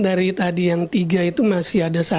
dari tadi yang tiga itu masih ada